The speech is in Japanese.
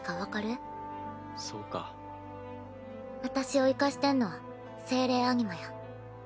私を生かしてんのは精霊・アニマや。